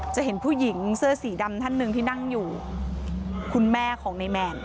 จะเห็นผู้หญิงเสื้อสีดำท่านหนึ่งที่นั่งอยู่คุณแม่ของในแมน